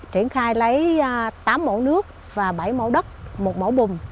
triển khai lấy tám mẫu nước và bảy mẫu đất một mẫu bùm